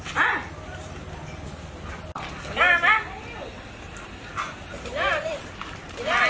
นั่งไอ้แมวเลยนั่งไอ้แมวเลย